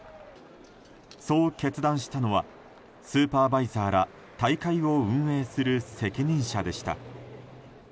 そう決断したのはスーパーバイザーら大会を運営する責任者でした。